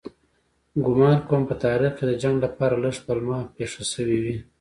ګومان کوم په تاریخ کې د جنګ لپاره لږ پلمه پېښه شوې وي.